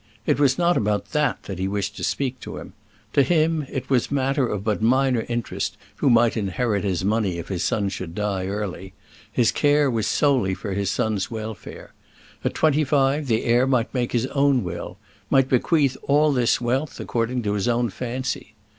It was not about that that he wished to speak to him. To him it was matter of but minor interest who might inherit his money if his son should die early; his care was solely for his son's welfare. At twenty five the heir might make his own will might bequeath all this wealth according to his own fancy.